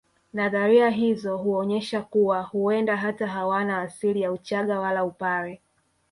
Nadharia hizo huonyesha kuwa huenda hata hawana asili ya uchaga wala upare